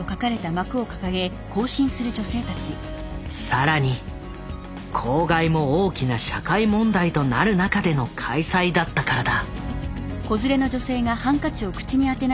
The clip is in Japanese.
更に公害も大きな社会問題となる中での開催だったからだ。